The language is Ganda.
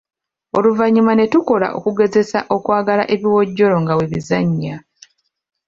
Oluvannyuma ne tukola okugezesa okwalaga ebiwojjolo nga bwe bizannya.